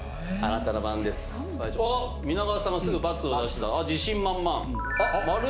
おっ皆川さんがすぐ「×」を出した自信満々。